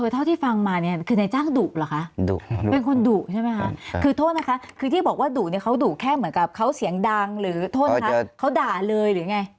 เท่าที่ฟังมาเนี่ยคือในจ้างดุเหรอคะเป็นคนดุใช่ไหมคะคือโทษนะคะคือที่บอกว่าดุเนี่ยเขาดุแค่เหมือนกับเขาเสียงดังหรือโทษคะเขาด่าเลยหรือไง